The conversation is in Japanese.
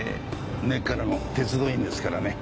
根っからの鉄道員ですからね